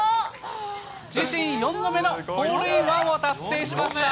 自身４度目のホールインワンを達成しました。